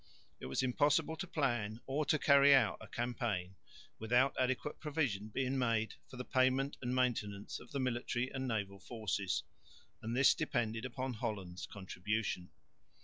It was impossible to plan or to carry out a campaign without adequate provision being made for the payment and maintenance of the military and naval forces, and this depended upon Holland's contribution.